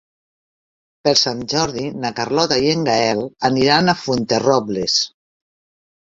Per Sant Jordi na Carlota i en Gaël aniran a Fuenterrobles.